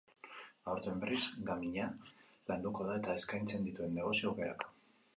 Aurten, berriz, gaming-a landuko da, eta eskaintzen dituen negozio-aukerak.